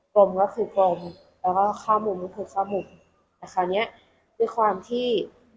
กรมก็คือกลมแล้วก็ข้อมูลก็คือข้อมูลแต่คราวเนี้ยด้วยความที่